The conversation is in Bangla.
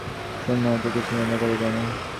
শূন্য হইতে কিছুই নির্মাণ করা যায় না।